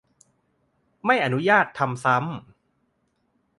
ไม่อนุญาตทำซ้ำ